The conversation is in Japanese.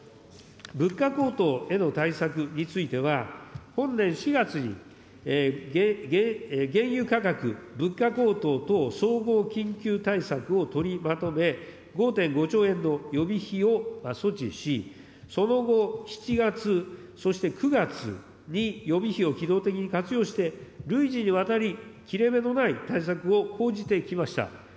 物価高騰への対策については、本年４月に、原油価格・物価高騰等総合緊急対策を取りまとめ、５．５兆円の予備費を措置し、その後、７月、そして９月に予備費を機能的に活用して、累次にわたり切れ目のない対策を講じてきました。